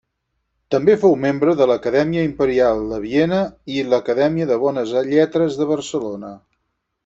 També fou membre de l'Acadèmia Imperial de Viena i l'Acadèmia de Bones Lletres de Barcelona.